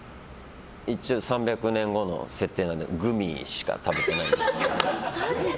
一応３００年後の設定なのでグミしか食べてないです。